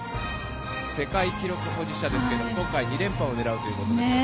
世界記録保持者ですが今回、２連覇を狙うということで。